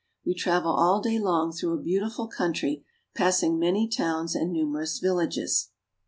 We travel all day long through a beautiful country, passing many towns and numerous villages.